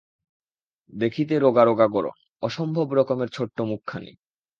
দেখিতে রোগা রোগা গড়ন, অসম্ভব রকমের ছোট্ট মুখখানি।